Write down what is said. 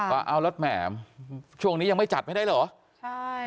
ว่าเอาล่ะแหมช่วงนี้ยังไม่จัดไหมได้หรือ